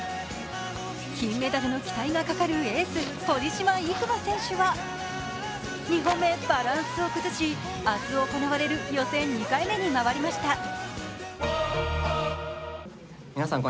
金メダルの期待がかかるエース堀島行真選手は２本目、バランスを崩し明日行われる予選２回目に回りました。